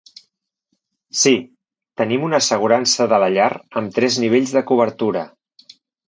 Sí, tenim una assegurança de la llar amb tres nivells de cobertura.